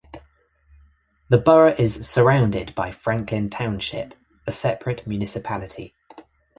The borough is surrounded by Franklin Township, a separate municipality.